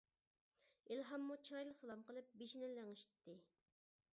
ئىلھاممۇ چىرايلىق سالام قىلىپ بېشىنى لىڭشىتتى.